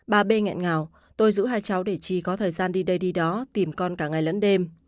bà b nghẹn ngào tôi giữ hai cháu để chi có thời gian đi đây đi đó tìm con cả ngày lẫn đêm